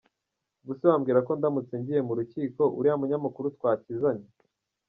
Ubuse wambwira ko ndamutse ngiye mu rukiko uriya munyamakuru twakizanya ?”.